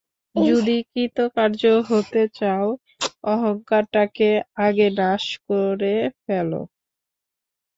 যদি কৃতকার্য হতে চাও, অহংটাকে আগে নাশ করে ফেল।